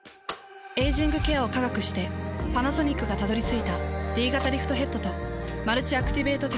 エイジングケアを科学してパナソニックがたどり着いたＤ型リフトヘッドとマルチアクティベートテクノロジー。